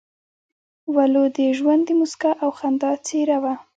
ولو د ژوند د موسکا او خندا څېره وه.